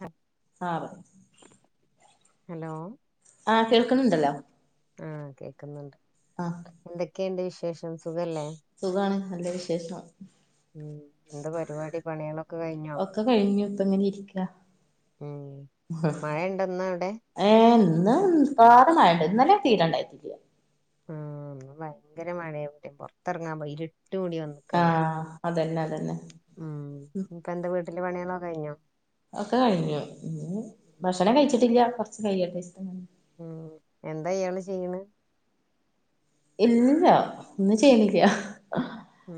ഹ ആഹ് ഹലോ ആഹ് കേൾക്കുന്നുണ്ടല്ലോ ആഹ് കേക്കുന്നുണ്ട് ആഹ് എന്തൊക്കെയുണ്ട് വിശേഷം സുഖല്ലേ സുഖാണ് നല്ല വിശേഷം ഉം എന്ത പരുവാടി പണികളൊ ക്കൊകഴിഞ്ഞോ ഒക്കെ കഴിഞ്ഞു ഇപ്പ ഇങ്ങനെ ഇരിക്ക ഉം മഴെണ്ടൊ ഇന്ന അവടെ ഏഹ് ഇന്ന് നിർത്താതെ മഴെണ്ട് ഇന്നലെ തീരെണ്ടായിട്ടില്ല. ആഹ് ഭയങ്കര മഴയ ഇവിടേം പൊറത്തിറങ്ങവയ ഇര്ട്ട് കൂടി വന്നു ക്കമഴ ആഹ് അതന്നെ അതന്നെ ഉം ഇനിപ്പെന്താ വീട്ടില് പണികളൊകഴിഞ്ഞോ ഒക്കെ കഴിഞ്ഞു ഭക്ഷണം കഴിച്ചിട്ടില്ല കുറച്ച് കയ്യട്ടെ ചിട് ഉം എന്താ ഇയ്യാള് ചെയ്യണ്. ഇല്ല ഒന്നു ചെയ്യ്ണില്ല. ആഹ്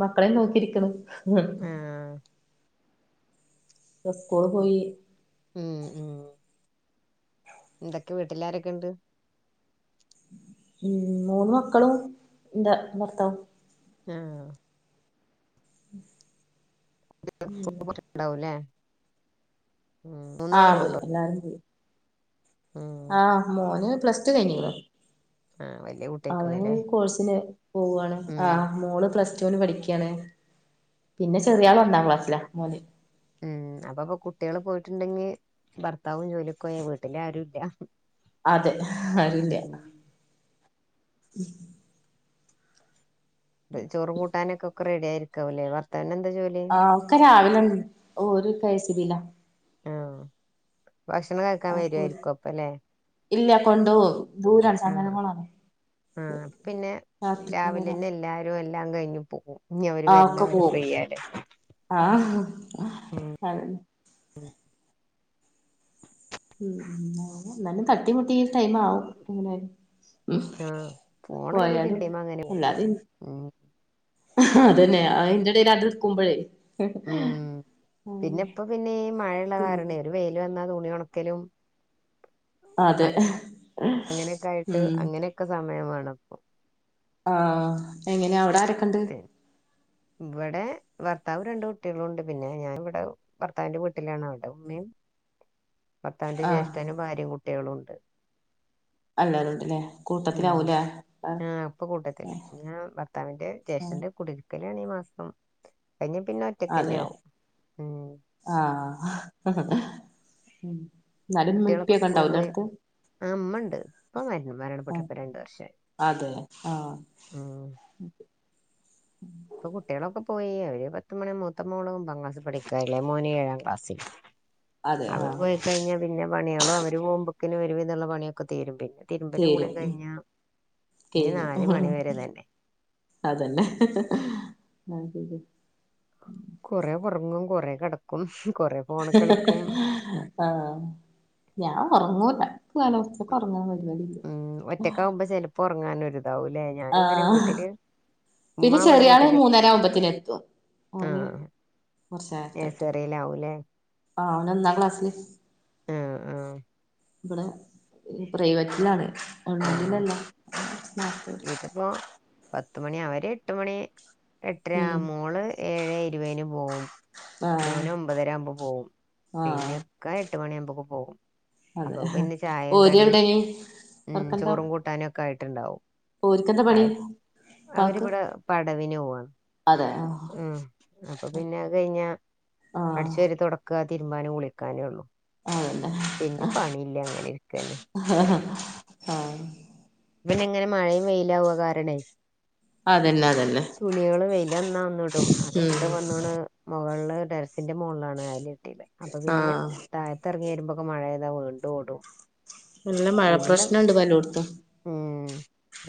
മക്കളെ നോക്കിരിക്ക്ണ് ആഹ് ഉസ്കൂൾ പോയി ഉം ഉം എന്തൊക്കെ വീട്ടിലാരൊക്കിണ്ട്. ഉം മൂന്ന് മക്കളും എന്റെ ഭർത്താവും. ആഹ് ഉം ഉണ്ടാവുല്ലേ മൂന്നാളു ആഹ് പോയി പോണ്ടോ എല്ലാരും പോയി ആഹ് മോന് പ്ലസ് ടു കൈഞിക്ക്ണ് ആഹ് വല്യ കുട്ടിയായിക്കണൂല്ലെ കോഴ്സിന് പോവാണ്. ആഹ് മോള് പ്ലസ് ടൂന് പഠിക്കാണ്. പിന്നെ ചെറിയാള് ഒന്നാം ക്ലാസ്സില മോല് ഉം അപ്പൊപ്പൊ കുട്ടികൾ പോയിട്ടുണ്ടെങ്കി ഭർത്താവും ജോലിക്കോയ വീട്ടില് ആരു ഇല്ല. അതെ ആരുല്ല ഉം ചോറു കൂട്ടാനൊക്കൊക്കെ റെഡി ആരിക്കാവല്ലേ ഭർത്താവിനെന്താ ജോലി ആഹ്ഒക്കെ രാവിലെന്നെ ഓര് കെയെസീബീല ആഹ് ഭക്ഷണം കയ്ക്കാൻ അപ്പൊ ഓര് വരുവാരിക്കും അപ്പല്ലെ ഇല്ല കൊണ്ടോവും. ദൂരാണ് ആഹ് ചങ്ങരംകുളാണ് ആഹ് അപ്പപിന്നെ രാത്രി വരാ രാവിലന്നെ എല്ലാരും എല്ലാം കഴിഞ്ഞ് പോവും ആഹ് ഒക്കെ പോവും ആഹ് അതെ ഉം ഉം എന്നാലും തട്ടിമുട്ടി ഈ ടൈം ആവും അങ്ങനെ ഉം ആഹ് പോണെങ്കി പിന്നെ പോയാലും ടൈം അങ്ങനെ പോവും എല്ലാതിം ഉം അതന്നെ ഐന്റെടേല് അത്ട്ക്കുമ്പഴേ ഉം പിന്നെ ഇപ്പോ പിന്നെ ഈ മഴള്ള പിന്നെ കാരണെ ഒരു വെയില് വന്നാ തുണി ഒണക്കലും അതെ അങ്ങനൊക്കായിട്ട് ഉം അങ്ങനൊക്കെ സമയം വേണം ഇപ്പോ ആഹ് എങ്ങനെ അവിടാരെക്കേണ്ട്. ഇവടെ ഭർത്താവും രണ്ട് കുട്യോളുണ്ട് പിന്നെ ഞാനിവടെ ഭർത്താവിന്റെ വീട്ടിലാണ് അവിടെ ഉമ്മിം ഭർത്താവിന്റെ ആഹ് ജ്യേഷ്ഠനും ഭാര്യയും കുട്യേളുണ്ട്. എല്ലാരും ഉണ്ടല്ലേ ഉം കൂട്ടത്തിലാവൂലേ ആഹ് ഇപ്പം കൂട്ടത്തിലാ ഞാൻ ഭർത്താവിൻ്റെ ഷന്റെ കുടിര്ക്കലാണ് ഈ മാസം അത്കഴിഞ്ഞാ പിന്നെ അതെ ഒറ്റക്കെന്നാവും. ഉം ആഹ് എന്നാലും ഇമ്മിം ഇപ്പിയൊക്കെ ഇണ്ടാവൂലെ അട്ത്ത് ആഹ് ഇമ്മണ്ട് ഇപ്പ മരണപ്പെട്ടിട്ട്പ്പ രണ്ട് വർഷായി ആഹ് അതെ ആഹ് ഉം ഇപ്പൊ കുട്യൊളൊക്കെ പോയി അവര് പത്ത് മണി മൂത്ത മോള് ഒമ്പതാംക്ലസില് പഠിക്കാ എളയ മോന് ഏഴാം ക്ലാസ്സിലും അതെ അവര് ആഹ് പോയി കഴിഞ്ഞാൽ പിന്നെ പണിയാള് അവര് പോവുമ്പോക്കിന് ഒര് വിധള്ള പണിക്കെ തീരും പിന്നെ തിരുമ്പലും തീരും കുളിം ഉം കഴിഞ്ഞാ ഇനി കഴിഞ്ഞു നാല്മണി വരെ ഇതന്നെ. അതന്നെ ഹ ഹ കൊറേ ഒറങ്ങും കൊറേ കെടക്കും കൊറേ ഫോണ് കളിക്കും ആഹ് ഞാൻ ഒറങ്ങൂല പകൽസമയത്ത് ഉറങ്ങാൻ കഴിയുല ഇപ്പൊറങ്ങാനൊരിതാവൂലെ ഞാനുങ്ങനെ ആഹ് വീട്ടില് പിന്നെ ഉമ്മ ഇവിടെ ചെറിയാള് വീട്ടില് മൂന്നരാവുമ്പോത്തിനെത്തും ഓന് കൊറച്ച് നേരത്തെ എത്തും നെയ്സെറീലാവൂല്ലേ? ആഹ് അവനൊന്നാം ക്ലാസ്സ്ല്. ആഹ് ആഹ് ബടെ പ്രൈവറ്റ്ലാണ്. ഗവണ്മെന്റിലല്ല കൊർച് നാർ എപ്പോ പത്തുമണി അവര് എട്ട് മണി എട്ടര ഉം മോള് ഏഴേ ഇരുവേന് പോവും. ആഹ് മോന് ഒമ്പതരകുമ്പോ പോവും. ആഹ് പിന്നെ ഇക്ക എട്ട് മണിയാവുമ്പോക്ക് പോവും. അതെ അപ്പൊക്ക് പിന്നെ ചായിം ഓര് കടിയും എവിടെനി ഉം ഓർക്കെന്താ ചോറും കൂട്ടാനൊക്കായിട്ട്ണ്ടാവും. ഓര്ക്കെന്താ പണി ഉപ്പാക്ക് അവര്വിടെ പടവിനോവാണ്. അതെ ആഹ് ഉം അപ്പൊ പിന്നെ അത് കഴിഞ്ഞാ ആഹ് അട്ച്ചോരി തൊട ക്കാ തിരുമ്പാനും കുളിക്കാനൊള്ളൂ. അതന്നെ പിന്നെ പണിയില്ല അങ്ങനെ ഇരിക്കന്നെ ആഹ് പിന്നെ ഇങ്ങനെ മഴയും വെയിലാവൊ കാരണേ അതന്നെ അതന്നെ തുണിയാള് വെയിലെന്നാ ഒന്ന്ടും. അത് ഉം ഇട്ട് വന്ന്ണ് മുകളള് ടെറസിന്റെ മോള്ളാണ് അയലെട്ടീത് അപ്പൊ പിന്നെ ആഹ് താഴത്തെർങ്ങി വരുമ്പോക്ക് മഴയ്താ വീണ്ടും ഓടും. നല്ല മഴ ഇന്ന് പ്രശ്നണ്ട് പ്പ എല്ലോട്ത്തും ഉം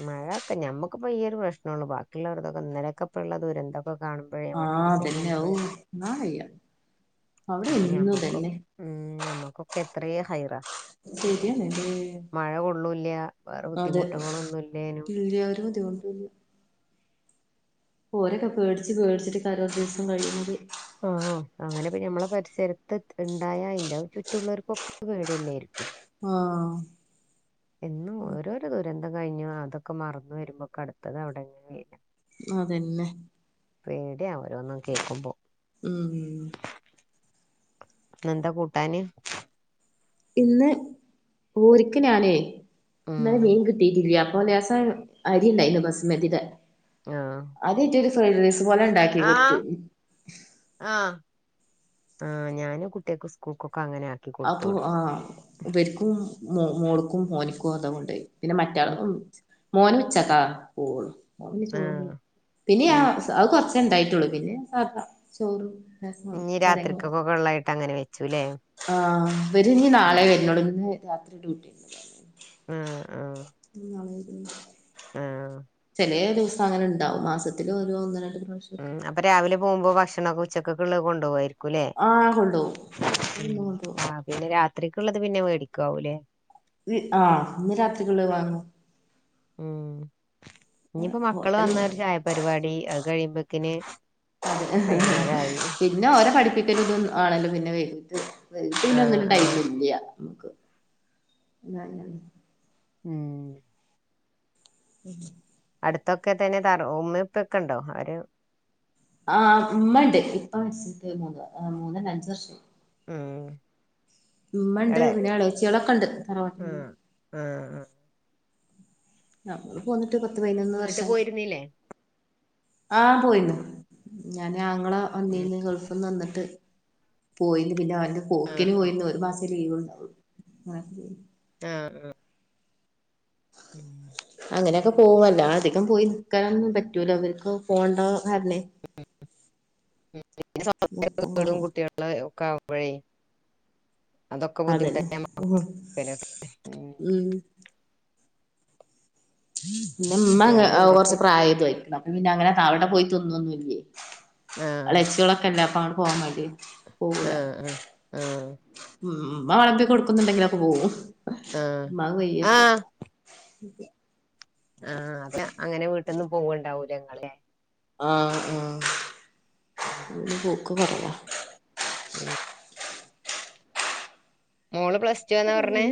മഴൊക്കെ ഞമ്മക്ക്പ്പ ഈ ഒരു പ്രശ്നൊള്ളൂ ബാക്ക ള്ളോര്തൊക്കെ ഇന്നലെക്കെപ്പള്ള ദുരന്തൊക്കെ കാണു മ്പഴേ ആഹ് മണ്ണിടിച്ചില് അതന്നെ ഔ കാണുമ്പഴേ താങ്ങാൻ വയ്യ അവിടെ അപ്പൊ എന്നും ഞമ്മക്കും ഇതന്നെ ഉം നമ്മക്കൊക്കെ എത്രയോ ഹൈറാ ശരിയാണ് ല്ലേ മഴ കൊള്ളൂല്ല. വേറെ ബുദ്ധിമുട്ടുകളൊന്നുംല്ലേനും ഇല്ലാ ഒര് ബുദ്ധിമുട്ടൂല്ല ഓരൊക്കെ പേട്ച്ച് പേട്ച്ചിട്ടേക്കാരം [unintelligible] കഴിയുന്നത് ആഹ് അങ്ങനെപ്പം ഞമ്മളെ പരിസരത്ത് ഇണ്ടായാ അയ്‌ന്റെ ചുറ്റുള്ളോർക്കൊക്കെ പേടില്ലായിരിക്കും. ആഹ് എന്നും ഓരോരോ ദുരന്തം കഴിഞ്ഞു അതൊക്കെ മറന്ന് വരുമ്പോക്ക അടുത്തത് അവിടെങ്ങെ അതന്നെ പേട്യ ഓരൊന്നും കേക്കുമ്പോ. ഉം ന്നെന്താ കൂട്ടാന്? ഇന്ന് ഓര്ക്ക് ഞാനേ ഉം ഇന്നെലെ മീൻ കി ട്ടിയിട്ടില്ല. അപ്പൊ ലേസം അരിണ്ടായിന്ന് ബസ്മതിടെ. ആഹ് അതയ്റ്റ് ഒരു ഫ്രൈഡ് റൈസ് പോലെ ണ്ടാക്കി കൊട്ത്തു. ആഹ് ആഹ് ആഹ് ഞാനും കുട്ട്യേക്ക് സ്കൂക്കൊക്കെ അങ്ങനെ ആക്കി കൊടുത്തു അപ്പൊ വിടും. ആ ബര്ക്കും മോള്ക്കും മോനിക്കും അതാ കൊണ്ടേയെ പിന്നെ മറ്റാള് ഉം മോന് ഉച്ചാക്ക പോവൊള്ളൂ. ഓൻ പിന്നെ ചോറ്ന്ന് ആഹ് പിന്നെ ഞാ ഉം അത് കൊർച്ചെ ഇണ്ടായ്ട്ടുള്ളു പിന്നെ സാധാ ചോറും രസം ഇഞ്ഞ് ചരങ്ങും രാത്രിക്കൊക്ക കൊള്ളായിട്ട് അങ്ങനെ വെച്ചുല്ലേ? ആഹ് ഇവര് ഞ്ഞ് നാളെ ഉം വര്ന്നുള്ളു. ഇന്ന് രാത്രി ഡ്യൂട്ടിണ്ട് ആഹ് ആഹ് [inaudible] ആഹ് ചെലേ ദിവസം അങ്ങനെ ണ്ടാവും മാസത്തില് ഒരു ഒന്ന് രണ്ട് പ്രാവശ്യം ഉം അപ്പൊ രാവിലെ പോമ്പോ ഭക്ഷണൊക്ക ഉച്ചക്കക്ക്ള്ള കൊണ്ടോവായ്രി ക്കുലേ ആഹ് കൊണ്ടോവും അത് ഇന്നും കൊണ്ടോവും ആ പിന്നെ രാത്രിക്ക്ള്ളത് പിന്നെ മേടിക്കാവൂലേ? വ് ആഹ് ഇന്ന് രാത്രികുള്ള വാങ്ങും. ഉം ഇനിയിപ്പോ മക്കള് ഹോട്ടൽ വന്ന ഒരു ചായപരിപാടി കഴിയുമ്പക്കിന് പിന്നെ ഓര പഠിപ്പിക്കൽ ഇത ആണല്ലോ പിന്നെ വ ആഹ് ഒന്നിനും ടൈം ആഹ് ഇല്ല നമ്മുക് ആഹ് ഉം [inaudible] അടുത്തൊക്കെ തന്നെ തറ ഉമ്മിപ്പൊക്കെ ഉണ്ടോ അവര് ആ മ്മ ണ്ട് ഇപ്പ മരിച്ചിട്ട് മൂന്ന് മൂന്നല്ല അഞ്ച് വർഷയി. ഉം മ്മണ്ട് എളെ പിന്നെ ഇളോച്ചികളൊക്കെ ഉണ്ട് തറവാട്ടില് ആഹ് ആഹ് ഞമ്മളെ പോന്നിട്ട് പത്ത് പതിനൊന്ന് വീട്ട് വർഷയി. പോയിരുന്നില്ലേ ആഹ് പോയിരുന്നു ഞാൻ ഞങ്ങളെ ഉം ഒന്നീന്ന് ഗൾഫിന്ന് വന്നിട്ട് പോയിന്ന് പിന്നെ അവന്റെ ആഹ് പോക്കിന് ആഹ് പോയിന്ന് ഒരു മാസം ലീവ്ണ്ടാവുള് ആഹ് ആഹ് ഉം [inaudible] അങ്ങനെയൊക്കെ പോവല്ല അധികം പോയി നൽക്കാനൊന്നും പറ്റൂലോ വർക്ക് പോണ്ട കാരണേ. [unintelligible] നിർത്തം വീടും കുറവാ കുട്ടിയാ ന്ന് ഒക്ക ആവുമ്പോഴേ അതൊക്കെ അതന്നെ ബുദ്ധിമുട്ടന്നേ [unintelligible] ഉം പിന്നെമ്മ പിന്നെ എന്തൊക്കെ കൊറച്ച് പ്രായമായിതുയിണം അപ്പൊ പിന്നെ അങ്ങനെ താവിടെ പോയി തിന്നൊന്നല്ലേ ആഹ് അളച്ചികളൊക്കെ എല്ലാപ്പണ് പോവാൻ മടി പോവൂല. ആഹ് ആഹ് ആഹ് ഉമ്മ വളമ്പി കൊടുക്കുന്നുണ്ടെങ്കിലൊക്കെ പോവും. ആഹ് മ്മക്ക് വയ്യപ്പ. ആഹ് ആഹ് അ അങ്ങനെ വീട്ടിൽന്നും പോവ്ണ്ടാല്ലേ ഇങ്ങല്ല്ങ്ങളെല്ലേ. ആഹ് ആഹ് ഉം ഞങ്ങള് പോക്ക് കൊറവ. ഉം മോള് പ്ലസ് ടു ആന്നാ പറഞ്ഞേ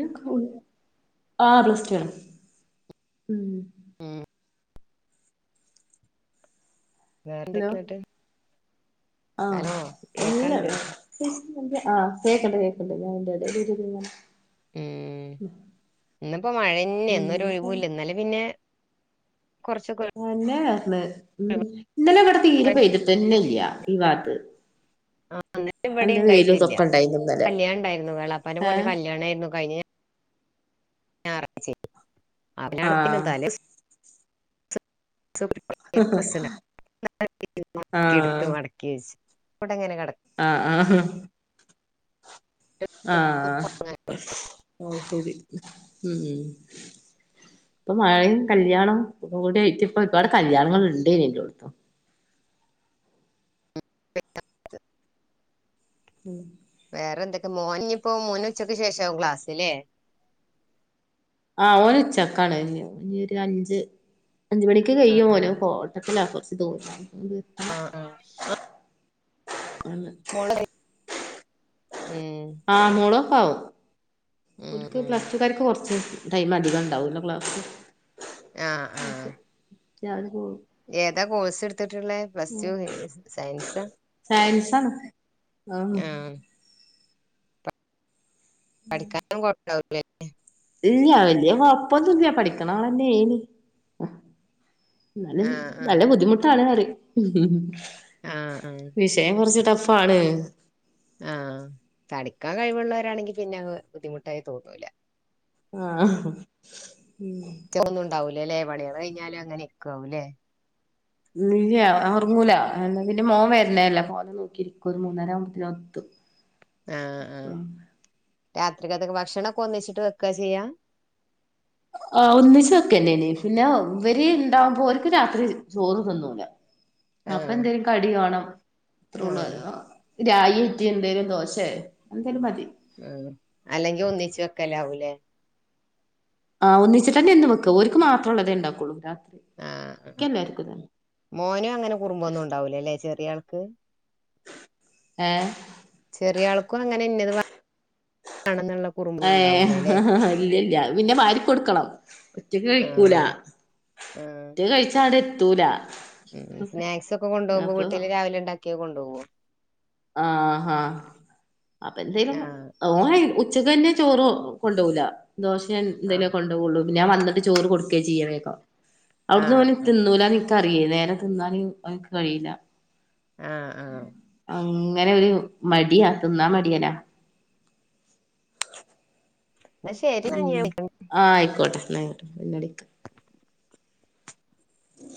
ആഹ് പ്ലസ് ടു ആണ് ഉം ഏ വേറെ എന്തൊക്കെയട്ട് ആഹ് ഇല്ല കേക്കാണ്ട് ആഹ് കേക്കണ്ട് കേക്കണ്ട് [unintelligible] ഉം ഇന്നിപ്പോ മഴന്നെ ഇന്നൊരു ഒഴിവൂ ല്ല അതെന്നെ ഇന്നലെ പിന്നെ കുറച്ച് കു ന്നെയറഞ്ഞ ഇന്നലെ ഇബടെ തീരെ പെയതിട്ടന്നെ ഇല്ല ഈ വാത്ത് ആഹ് ഇന്നലെ ഇവടിംണ്ടായിട്ടില്ല ഇതൊക്കെ ഉണ്ടായിരുന്നു ഇന്നലെ കല്യാണണ്ടായിരുന്നു ഏ എളാപ്പന്റെമോന്റെ കല്യണായിരുന്നു കഴിഞ്ഞ ഞായറഴ്ചെ ആ കല്യാണത്തിനും തലേ ദിവസം ആ [unintelligible] മടക്കി വച്ച ഇവിടെങ്ങനെ കട ആഹ് ആഹ് ആഹ് ഓ ശരി ഉം ഉം [inaudible] പ്പൊ മഴയും കല്യാണം ഒക്കെ കൂടി ആയിട്ട് ഇപ്പൊ ഒരുപാട് കല്യാണങ്ങൾ ഇണ്ടേനെല്ലാടത്തും [unintelligible] ഉം വേറെന്തൊക്കെ മോനിഞ്ഞിപ്പോ മോനുച്ചക്ക് ശേഷാവും ക്ലാസ് ലേ ആഹ് ഓനുച്ചക്കാണ് ഇഞ്ഞി ഇനി ഒരു അഞ്ച് അഞ്ചു മണിക്ക് കയും ഓന് ആഹ് കോട്ടക്കലാക്കു [unintelligible] ആഹ് ആഹ് അല്ല [inaudible] ഓളെ കയ് ഉം ആ മൂഡോഫ്‌ ആവും ഉം ഒലക്ക് ഉം പ്ലസ്ടു കർക്ക് കുറച്ച് ടൈമതികം ഉണ്ടാവൂല ക്ലാസ്സ്‌ ആഹ് അഹ് ഞാന് പോ ഏതാ കോഴ്സ് ഇടുത്തിട്ടുള്ളേ പ്ലസ് ടു സയൻസ് സയൻസ് ആണ് ആഹ് പഠിക്കാനും കുഴപ്പണ്ടാവൂലല്ലേ ഇല്യ വലിയ കൊഴപ്പൊന്നുല്ല പഠിക്കണആളെന്നെ ന് എന്നാലും ആഹ് നല്ല ആഹ് ബുദ്ധിമുട്ടാണ്ന്നറയും ആഹ് ആഹ് ടെമം ൻ കുറച്ച് ടഫാണ് ആഹ് പഠിക്കാൻ കഴിവുള്ളവരാണെങ്കിൽ പിന്നെഅത് ബുദ്ധിമുട്ടായി തോന്നൂല ആഹ് മ് ഒന്ന ഉണ്ടാവില്ലല്ലേ പണികൾ കഴിഞ്ഞാലും അങ്ങനിരിക്കാവൂല്ലേ ഇല്ല ഒറങ്ങൂല എന്ന പിന്നെ മോൻ വരണോല്ല മോനെ നോക്കിയിരിക്കും ഒരു മൂന്നര ആകുമ്പോത്തന് ഒത്തു [inaudible] മ് രാത്രികത്തൊക്കെ ഭക്ഷണം ഒക്കെ ഒന്നിച്ചിട്ട് വെക്ക ചെയ്യാ ആ ഒന്നിച്ചൊക്കെന്നെനി പിന്നെ ഇവരി ഇണ്ടാവുമ്പോഓൽക്ക് രാത്രി ചോറ്തിന്നൂല [inaudible] അപ്പൊ എന്തെലും കടി വേണം അത്രേ ഉള്ളൂ ആഹ് അഹ് രായിത്തെ എന്തേലും ദോശേ എന്തേലും മതി മ് അല്ലെങ്കിൽ ഒന്നിച്ച് വെക്കലാവൂലേ ആ ഒന്നിച്ചിട്ട്ന്നെ എന്നും വെക്ക ഓൽക്ക് മാത്രള്ളതേണ്ടാക്കൊള്ളൂ രാത് ആഹ് മോനും അങ്ങനെ കുറുമ്പൊന്നും ഉണ്ടാവൂലല്ലേ ചെറിയ ആൾക്ക് ഏഹ് ചെറിയ ആൾക്കും അങ്ങനെ ഇന്നത് [unintelligible] ണെന്നുള്ള ഏഹ് ഇല്ലല്ല പിന്നെ വാരിക്കൊടുക്കണം ഒറ്റക്ക് കഴിക്കൂല ആഹ് ആഹ് ഒറ്റക്ക് കഴിച്ചാ അടെ എത്തൂല സ്നാക്സ് ഒക്കെ കൊണ്ടുപോകുമ്പോ അപ്പൊ വീട്ടില് രാവിലെ ഉണ്ടാക്കിയ കൊണ്ടുപോവോ ആഹ് അഹ് അപ്പൊ എന്തേലും ആഹ് ഓൻ ഉച്ചക്ക് തന്നെ ചോറ് കൊണ്ടു പോകൂല ദോശേ ആഹ് എന്തേലും കൊണ്ട ഞാ വന്നിട്ട് ചോറ് കൊടുക്കേ ചെയ്യേ വേഗം ആഹ് അവിടുന്ന് ആഹ് തിന്നൂല കറിയില്ലേല് തിന്നാല് അവനിക്ക് കഴിയില്ല ആഹ് ആഹ് അങ്ങനെ ഒരു മടിയാ തിന്നാൻ മടിയനാ എന്നാ ശരി എന്നാ ഞാൻ ആയിക്കോട്ടെയിക്കോട്ടെ പിന്നടിക്ക ഉ